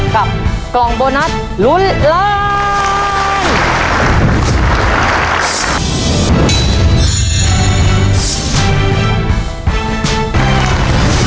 กับกล่องโบนัสลุ้นล้าน